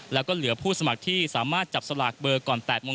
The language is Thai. แล้วก็เหลือผู้สมัครที่สามารถจับสลากเบอร์ก่อน๘โมง